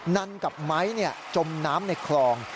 นั่นกับไม้จมน้ำในคลอง